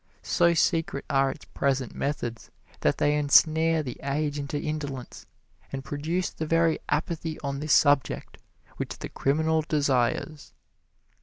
So secret are its present methods that they ensnare the age into indolence, and produce the very apathy on this subject which the criminal desires."